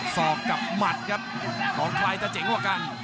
สอบกับหมัดครับของใครจะเจ๋งกว่ากัน